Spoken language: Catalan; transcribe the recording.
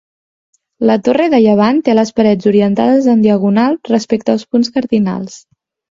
La torre de llevant té les parets orientades en diagonal respecte als punts cardinals.